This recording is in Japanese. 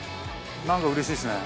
なんかうれしいですね。